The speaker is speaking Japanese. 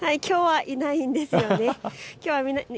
きょうはいないんですよね。